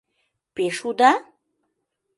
— Пеш уда?